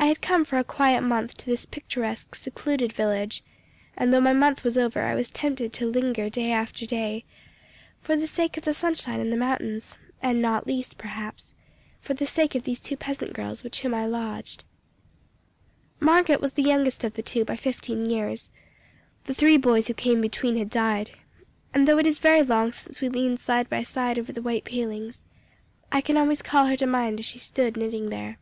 I had come for a quiet month to this picturesque, secluded village, and though my month was over, I was tempted to linger day after day, for the sake of the sunshine and the mountains, and not least, perhaps, for the sake of these two peasant girls, with whom I lodged. Margotte was the youngest of the two by fifteen years the three boys who came between had died and though it is very long since we leaned side by side over the white palings, I can always call her to mind as she stood knitting there.